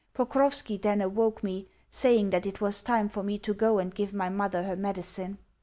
Pokrovski then awoke me, saying that it was time for me to go and give my mother her medicine.